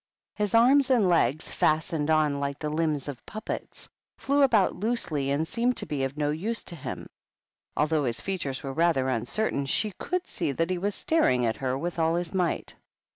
His arms and legs, fastened on like the limbs of puppets, flew about loosely and seemed to be of no use to him. Although his features were rather un certain, she could see that he was staring at her 9 with all his might.